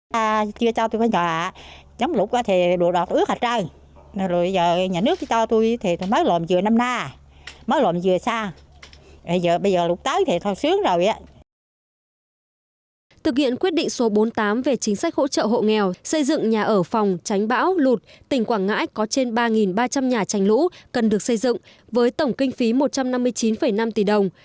thực hiện quyết định số bốn mươi tám về chính sách hỗ trợ hộ nghèo xây dựng nhà ở phòng tránh bão lụt tỉnh quảng ngãi có trên ba ba trăm linh nhà tránh lũ cần được xây dựng với tổng kinh phí một trăm năm mươi chín năm tỷ đồng